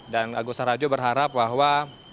dan agus hara harjo berharap bahwa